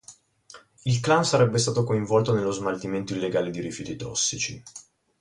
Il clan sarebbe stato coinvolto nello smaltimento illegale di rifiuti tossici..